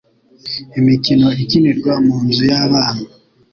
Imikino ikinirwa mu nzu yabana.